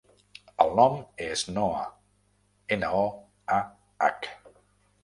El nom és Noah: ena, o, a, hac.